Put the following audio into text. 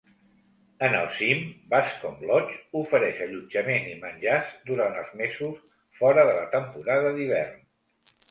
En el cim, Bascom Lodge ofereix allotjament i menjars durant els mesos fora de la temporada d'hivern.